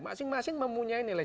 masing masing mempunyai nilai